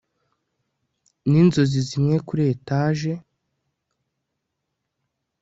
ni inzozi zimwe kuri etage